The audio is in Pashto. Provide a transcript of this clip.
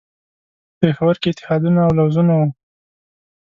په پېښور کې اتحادونه او لوزونه وو.